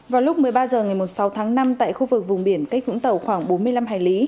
vào lúc một mươi ba h ngày sáu tháng năm tại khu vực vùng biển cách vũng tàu khoảng bốn mươi năm hải lý